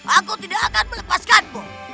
aku tidak akan melepaskanmu